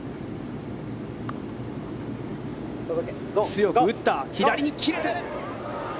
強く打った左に切れて。